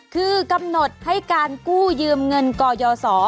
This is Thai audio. คือกำหนดให้การกู้ยืมเงินกยศ